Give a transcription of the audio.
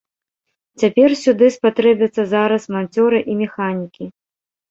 Цяпер сюды спатрэбяцца зараз манцёры і механікі.